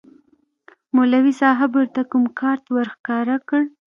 مولوي صاحب ورته کوم کارت ورښکاره کړ.